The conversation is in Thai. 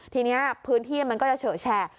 ทีนี้พื้นที่มันก็จะเฉอะแฉะ